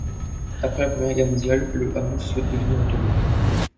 Après la Première Guerre mondiale, le hameau souhaite devenir autonome.